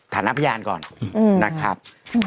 ถัดนับพยานก่อนนะครับ